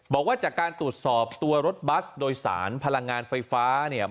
บอกว่าจากการตรวจสอบตัวรถบัสโดยสารพลังงานไฟฟ้าเนี่ย